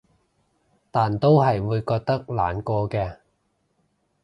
但都係會覺得難過嘅